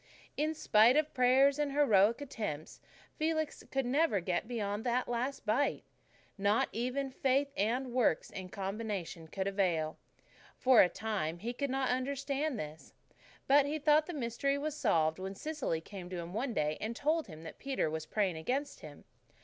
In spite of prayers and heroic attempts, Felix could never get beyond that last bite. Not even faith and works in combination could avail. For a time he could not understand this. But he thought the mystery was solved when Cecily came to him one day and told him that Peter was praying against him.